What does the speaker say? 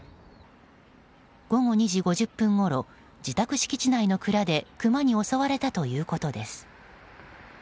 午後２時５０分ごろ自宅敷地内の蔵でクマに襲われたということです。